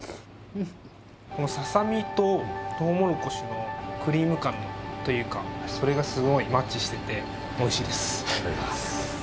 このささみととうもろこしのクリーム感というかそれがすごいマッチしてておいしいです。